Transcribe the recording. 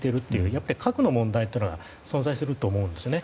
やっぱり、核の問題は存在すると思うんですよね。